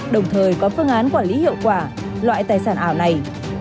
đồng thời có phương án quản lý hiệu quả loại tài sản ảo này